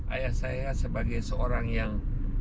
ayah saya sebagai seorang yang